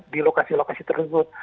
di lokasi lokasi tersebut